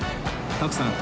徳さん